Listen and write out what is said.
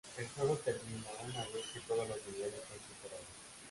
El juego termina una vez que todos los niveles son superados.